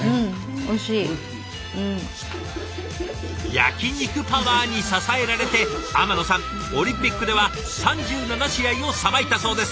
焼き肉パワーに支えられて天野さんオリンピックでは３７試合を裁いたそうです。